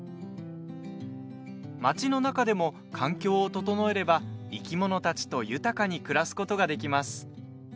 町の中でも環境を整えれば生き物たちと豊かに暮らすことができます。